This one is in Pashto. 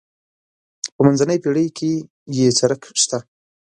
په منځنۍ پېړۍ کې یې څرک شته.